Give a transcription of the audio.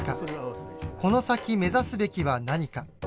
この先目指すべきは何か。